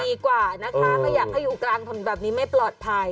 ดีกว่านะคะไม่อยากให้อยู่กลางถนนแบบนี้ไม่ปลอดภัย